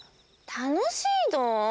たのしいの？